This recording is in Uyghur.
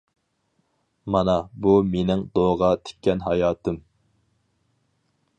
مانا بۇ مېنىڭ دوغا تىككەن ھاياتىم.